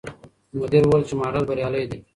مدیر وویل چې ماډل بریالی دی.